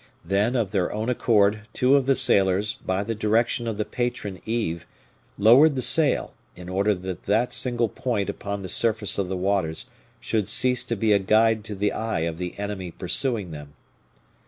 Then, of their own accord, two of the sailors, by the direction of the patron Yves, lowered the sail, in order that that single point upon the surface of the waters should cease to be a guide to the eye of the enemy pursuing them.